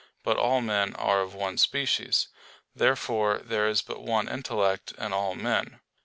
But all men are of one species. Therefore there is but one intellect in all men.